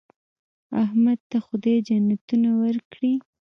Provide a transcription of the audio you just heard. احمد ته خدای جنتونه ورکړي.